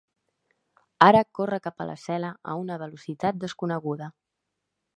Ara corre cap a la cel·la a una velocitat desconeguda.